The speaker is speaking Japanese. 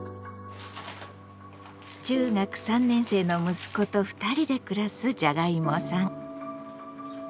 中学３年生の息子と２人で暮らすじゃがいもさん。